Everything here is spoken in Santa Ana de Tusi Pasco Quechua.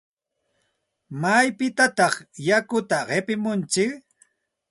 ¿Maypitataq yakuta qipimuntsik?